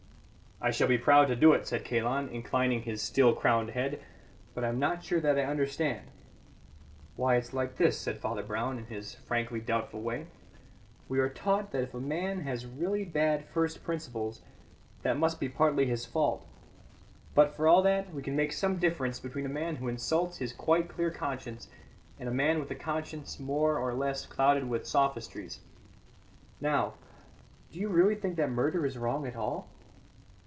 "I shall be proud to do it," said Kalon, inclining his still crowned head, "but I am not sure that I understand." "Why, it's like this," said Father Brown, in his frankly doubtful way: "We are taught that if a man has really bad first principles, that must be partly his fault. But, for all that, we can make some difference between a man who insults his quite clear conscience and a man with a conscience more or less clouded with sophistries. Now, do you really think that murder is wrong at all?"